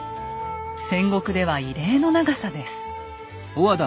戦国では異例の長さです。